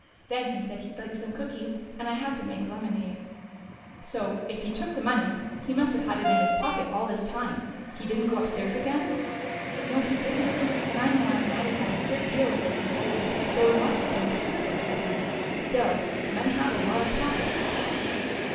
Then he said he'd like some cookies, and I had to make lemonade." "So, if he took the money, he must have had it in his pocket all this time? He didn't go upstairs again?" "No, he didn't. And I know Aunt Mattie had a good deal of it in gold, so it must have been terribly heavy. Still, men have a lot of pockets."